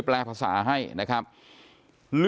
นางนาคะนี่คือยายน้องจีน่าคุณยายถ้าแท้เลย